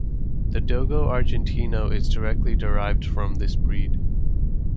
The Dogo Argentino is directly derived from this breed.